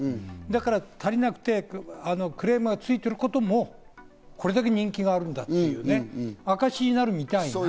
だから足りなくてクレームがついてることもこれだけ人気があるんだというね証しになるみたいな。